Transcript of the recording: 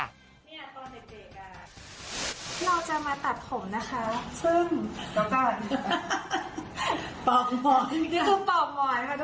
เนี้ยตอนเด็กอ่าเราจะมาตัดผมนะคะซึ่งแล้วก็ฮ่าฮ่าฮ่า